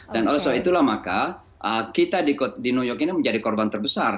dan oleh sebab itulah maka kita di new york ini menjadi korban terbesar